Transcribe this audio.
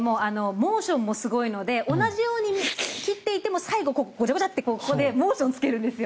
モーションもすごいので同じように切っていても最後、ごちゃごちゃってモーションをつけるんですよ。